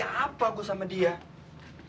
tante jangan buat apa apa